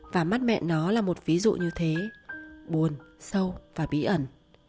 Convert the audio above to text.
và mắt mẹ nó là một ví dụ như thế buồn sâu và bí ẩn